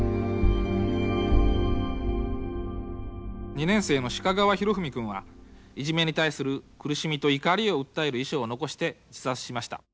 ２年生の鹿川裕史くんはいじめに対する苦しみと怒りを訴える遺書を残して自殺しました。